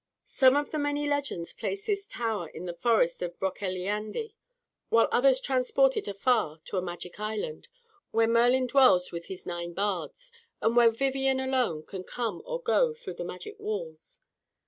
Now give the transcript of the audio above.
Some of the many legends place this tower in the forest of Broceliande; while others transport it afar to a magic island, where Merlin dwells with his nine bards, and where Vivian alone can come or go through the magic walls.